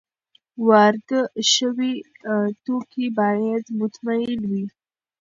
وارد شوي توکي باید مطمین وي.